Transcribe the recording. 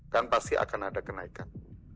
kan pasti akan ada kenaikan